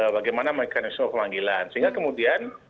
bagaimana mekanisme pemanggilan sehingga kemudian